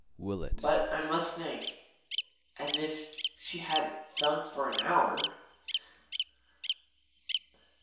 "But I must think " As if she hadn't thunk for an hour!